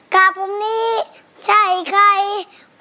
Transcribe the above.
กับผมนี้ใช่ใคร